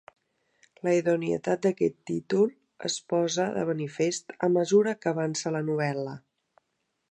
La idoneïtat d'aquest títol es posa de manifest a mesura que avança la novel·la.